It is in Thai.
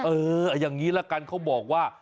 เอออย่างนี้ละกันเขาบอกว่า